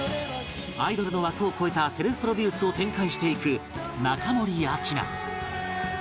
アイドルの枠を超えたセルフプロデュースを展開していく中森明菜